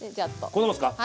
こんなもんですか？